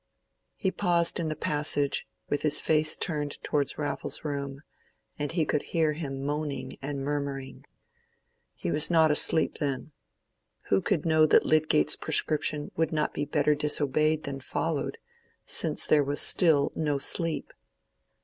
He paused in the passage, with his face turned towards Raffles's room, and he could hear him moaning and murmuring. He was not asleep, then. Who could know that Lydgate's prescription would not be better disobeyed than followed, since there was still no sleep?